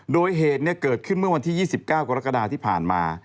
โดยเหตุเกิดขึ้นเมื่อวันที่๒๙กรกฎาที่ผ่านมา